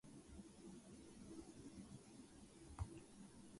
He was born and died in Oslo.